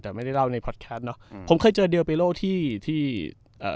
แต่ไม่ได้เล่าในเนอะอืมผมเคยเจอเดียร์เปียโร่ที่ที่เอ่อ